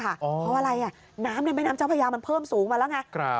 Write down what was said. เพราะอะไรน้ำในแม่น้ำเจ้าพญามันเพิ่มสูงมาแล้วไง